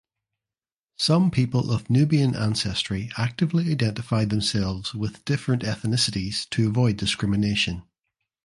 Some people of Nubian ancestry actively identify themselves with different ethnicities to avoid discrimination.